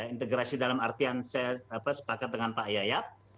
integrasi dalam artian saya sepakat dengan pak yayat